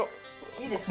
いいですか？